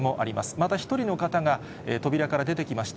また１人の方が、扉から出てきました。